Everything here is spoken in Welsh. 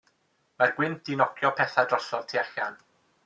Mae'r gwynt 'di nocio petha' drosodd tu allan.